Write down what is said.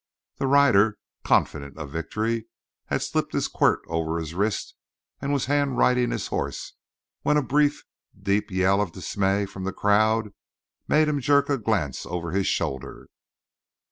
That rider, confident of victory, had slipped his quirt over his wrist and was hand riding his horse when a brief, deep yell of dismay from the crowd made him jerk a glance over his shoulder.